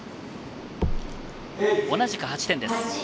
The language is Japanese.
同じく８点です。